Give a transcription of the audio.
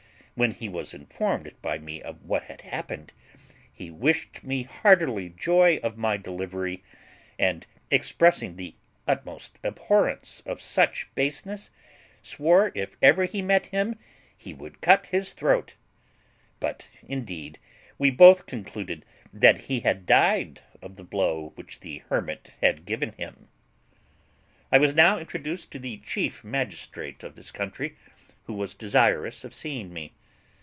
When he was informed by me of what had happened, he wished me heartily joy of my delivery, and, expressing the utmost abhorrence of such baseness, swore if ever he met him he would cut his throat; but, indeed, we both concluded that he had died of the blow which the hermit had given him. "I was now introduced to the chief magistrate of this country, who was desirous of seeing me.